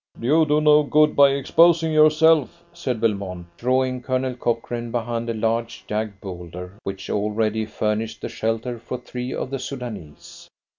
"You do no good by exposing yourself," said Belmont, drawing Colonel Cochrane behind a large jagged boulder, which already furnished a shelter for three of the Soudanese.